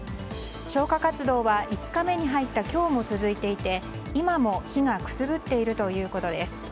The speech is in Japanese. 消火活動は５日目に入った今日も続いていて今も火がくすぶっているということです。